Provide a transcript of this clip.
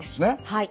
はい。